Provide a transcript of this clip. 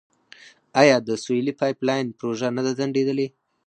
آیا د سولې پایپ لاین پروژه نه ده ځنډیدلې؟